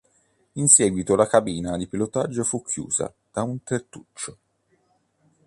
In seguito la cabina di pilotaggio fu chiusa da un tettuccio.